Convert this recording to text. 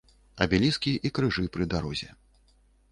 Абеліскі і крыжы пры дарозе.